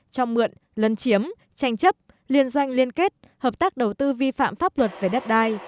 cho mượn lân chiếm tranh chấp liên doanh liên kết hợp tác đầu tư vi phạm pháp luật về đất đai